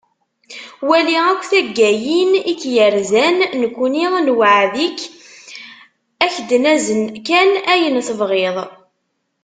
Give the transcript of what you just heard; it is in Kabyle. Wali akk taggayin i k-yerzan, nekkni newɛed-ik ak-d-nazen kan ayen tebɣiḍ.